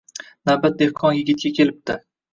Navbat dehqon yigitga kelibdi